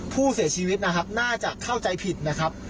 ผู้เสียชีวิตนะครับน่าจะเข้าใจผิดนะครับ